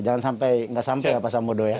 jangan sampai nggak sampai lah pak sambodo ya